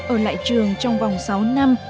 ở lại trường trong vòng sáu năm